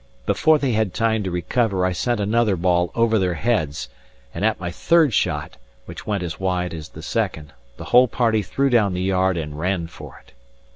Before they had time to recover, I sent another ball over their heads; and at my third shot (which went as wide as the second) the whole party threw down the yard and ran for it.